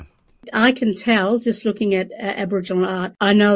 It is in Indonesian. saya bisa tahu hanya melihat karya seni bahasa amerika